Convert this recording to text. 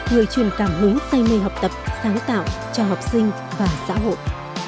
người truyền cảm hứng say mê học tập sáng tạo cho học sinh và xã hội